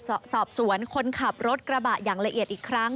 สอบสวนคนขับรถกระบะอย่างละเอียดอีกครั้ง